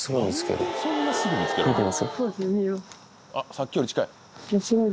さっきより近い！